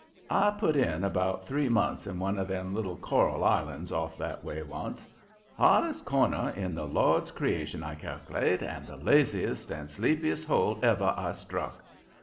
"I put in about three months on one of them little coral islands off that way once. Hottest corner in the Lord's creation, I cal'late, and the laziest and sleepiest hole ever I struck.